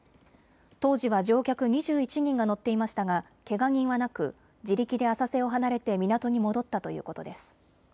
当時は乗客２１人が乗っていましたが、けが人はなく自力で浅瀬を離れて港に戻ったということです。